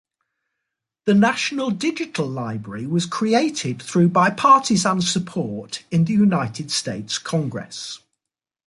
The National Digital Library was created through bipartisan support in the United States Congress.